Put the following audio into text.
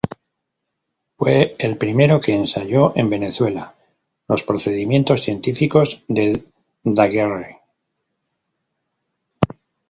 Fue el primero que ensayó en Venezuela los procedimientos científicos de Daguerre.